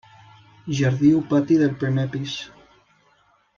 Jardí o pati del primer pis.